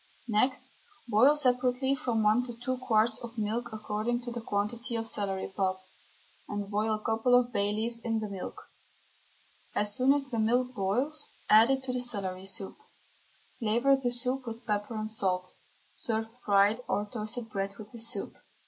Next boil separately from one to two quarts of milk according to the quantity of celery pulp, and boil a couple of bay leaves in the milk. As soon as the milk boils add it to the celery pulp, flavour the soup with pepper and salt; serve fried or toasted bread with the soup.